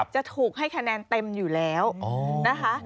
จะถูกให้คะแนนเต็มอยู่แล้วนะคะ